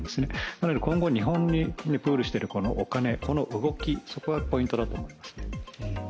なので今後、日本にプールしているお金の動きがポイントだと思います。